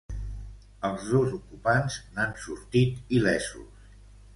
Els dos ocupants n'han sortit il·lesos.